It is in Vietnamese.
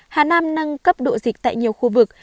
hà nam nâng cấp độ dịch tại nhiều khu vực